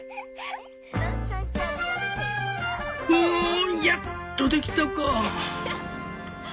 「うわんやっとできたか！」。